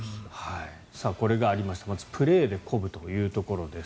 これがありました、まずプレーで鼓舞というところです。